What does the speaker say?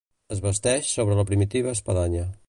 Es basteix sobre la primitiva espadanya.